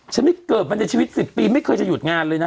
ไม่เกิดมาในชีวิต๑๐ปีไม่เคยจะหยุดงานเลยนะ